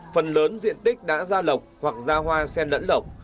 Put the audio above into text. phần lớn diện tích đã ra lọc hoặc ra hoa xen lẫn lọc